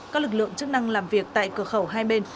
các lực lượng chức năng làm việc tại cửa khẩu hai bên